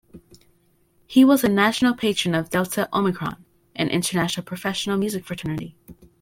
He was a National Patron of Delta Omicron, an international professional music fraternity.